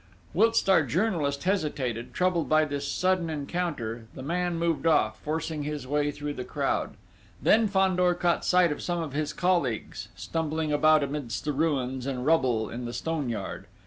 Whilst our journalist hesitated, troubled by this sudden encounter, the man moved off, forcing his way through the crowd. Then Fandor caught sight of some of his colleagues, stumbling about amidst the ruins and rubble in the stone yard.